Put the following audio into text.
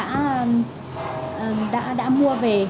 đã mua về